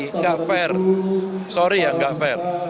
enggak fair sorry ya enggak fair